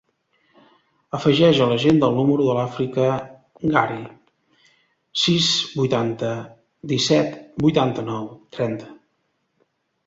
Afegeix a l'agenda el número de l'Àfrica Gari: sis, vuitanta, disset, vuitanta-nou, trenta.